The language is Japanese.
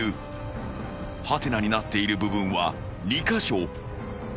［はてなになっている部分は２カ所］